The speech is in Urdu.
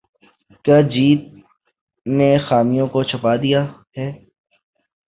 کیا جیت نے خامیوں کو چھپا دیا ہے